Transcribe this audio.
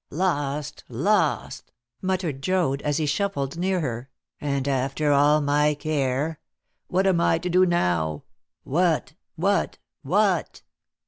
"Lost, lost!" muttered Joad, as he shuffled near her "and after all my care. What am I to do now? What what what?"